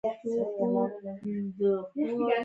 د شبيو بوى ان د سراى په درگاه کښې د سړي په سپږمو لگېده.